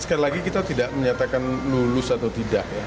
sekali lagi kita tidak menyatakan lulus atau tidak ya